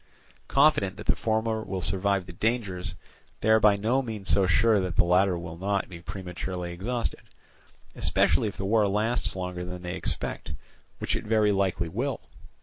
Confident that the former will survive the dangers, they are by no means so sure that the latter will not be prematurely exhausted, especially if the war last longer than they expect, which it very likely will.